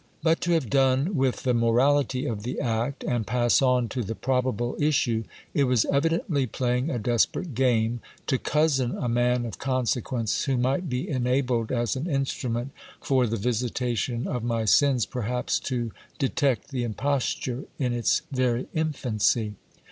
But to have done with the morality of the act, and pass on to the probable issue, it was evidently playing a desperate game, to cozen a man of consequence who might be enabled, as an instrument for the visitation of my sins perhaps, to detect the imposture in its very infancy.